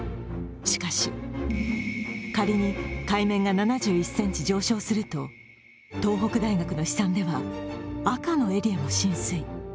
しかし、仮に海面が７１ｃｍ上昇すると東北大学の試算では赤のエリアも浸水。